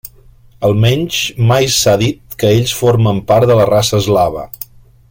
Almenys mai s'ha dit que ells formen part de la raça eslava.